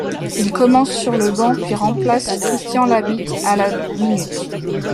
Il commence sur le banc puis remplace Christian Labit à la minute.